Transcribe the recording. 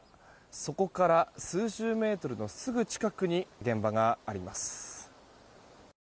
そこから数十メートルのすぐ近くに現場があります。